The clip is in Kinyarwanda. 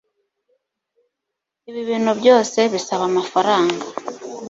Ibi bintu byose bisaba amafaranga